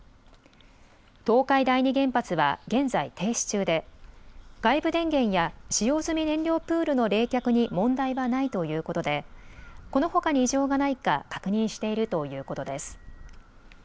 東海第二原発は現在、停止中で外部電源や使用済み燃料プールの冷却に問題はないということでこのほかに異常がないか確認しているということです。